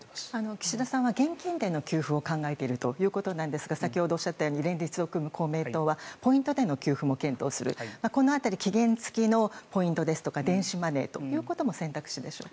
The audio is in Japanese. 岸田さんは現金での給付を考えているということなんですが先ほどおっしゃったように連立を組む公明党はポイントでの給付も検討するとこの辺り期限付きのポイントや電子マネーということも選択肢でしょうか？